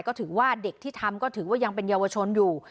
ก็ถือว่าเด็กที่ทำก็ถือว่ายังเป็นเยาวชนอยู่